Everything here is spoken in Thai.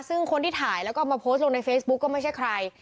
ซึ่งคนที่ถ่ายแล้วก็มาโพสต์ลงในเฟซบุ๊กก็ไม่ใช่ใคร